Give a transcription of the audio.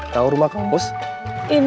kamu sama perempuan